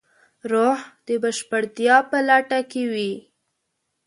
روح د بشپړتیا په لټه کې وي.